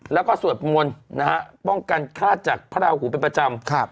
แล้วก็สวดมนต์นะฮะป้องกันฆาตจากพระราหูเป็นประจำ